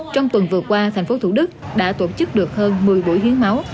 trong tuần vừa qua tp thủ đức đã tổ chức được hơn một mươi buổi hiến máu